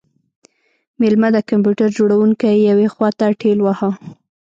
میلمه د کمپیوټر جوړونکی یوې خواته ټیل واهه